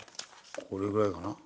これぐらいかな？